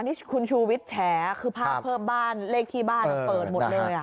นี่คุณชูวิทย์แฉคือภาพเพิ่มบ้านเลขที่บ้านเปิดหมดเลย